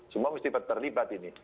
semua mesti terlibat ini